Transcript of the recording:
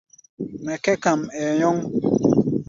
Mɛ kɛ̧́ kam, ɛɛ nyɔŋ.